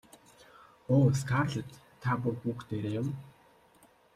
Өө Скарлетт та бүр хүүхдээрээ юм.